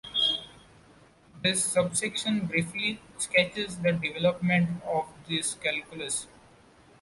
This subsection briefly sketches the development of this calculus.